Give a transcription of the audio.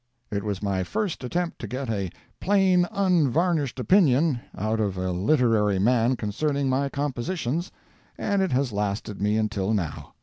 It was my first attempt to get a "plain unvarnished opinion" out of a literary man concerning my compositions, and it has lasted me until now.